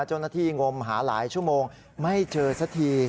เจ้าหน้าที่งมหาหลายชั่วโมงไม่เจอสักที